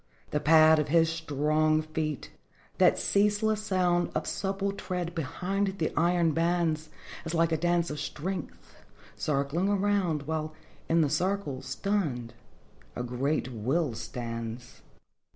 The pad of his strong feet, that ceaseless sound Of supple tread behind the iron bands, Is like a dance of strength circling around, While in the circle, stunned, a great will stands.